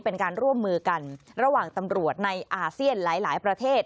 เป็นการร่วมมือกันระหว่างตำรวจในอาเซียนหลายประเทศ